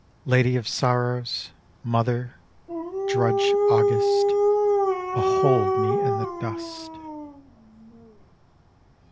_ _Lady of Sorrows, Mother, Drudge august. Behold me in the dust.